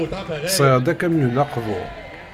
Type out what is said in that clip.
Sɣiɣ-d akamyun aqbur.